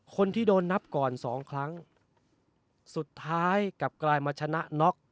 คนที่โดนนับก่อนสองครั้งสุดท้ายกลับกลายมาชนะน็อก